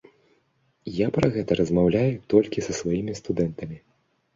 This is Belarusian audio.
Я пра гэта размаўляю толькі са сваімі студэнтамі.